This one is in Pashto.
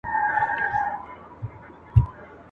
چي په پانوس کي سوځېدلي وي پښېمانه نه ځي !.